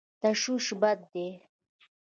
تشویش بد دی.